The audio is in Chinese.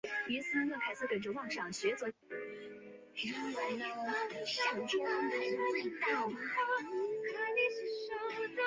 这些白牌车逐渐发展成为今日的小巴。